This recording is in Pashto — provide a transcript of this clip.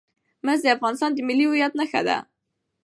مس د افغانستان د ملي هویت نښه ده.